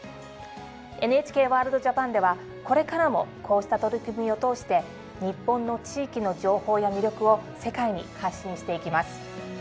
「ＮＨＫワールドＪＡＰＡＮ」ではこれからもこうした取り組みを通して日本の地域の情報や魅力を世界に発信していきます。